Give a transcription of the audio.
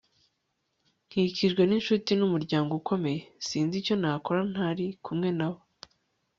nkikijwe n'inshuti n'umuryango ukomeye. sinzi icyo nakora ntari kumwe na bo. - emma roberts